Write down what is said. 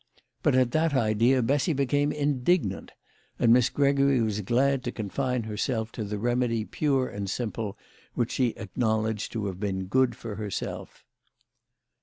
But at the idea Bessy became indignant, and Miss Gregory was glad to confine herself to the remedy pure and simple which she acknowledged to have been good for herself.